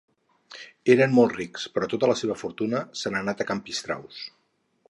Eren molt rics, però tota la seva fortuna se n'ha anat a can Pistraus.